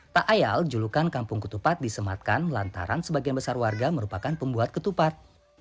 tak ayal julukan kampung ketupat disematkan lantaran sebagian besar warga merupakan pembuat ketupat